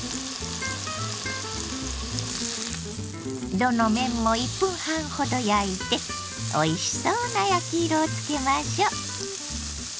どの面も１分半ほど焼いておいしそうな焼き色をつけましょう。